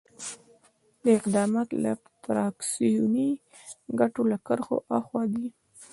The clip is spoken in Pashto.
دا اقدامات له فراکسیوني ګټو له کرښو آخوا دي.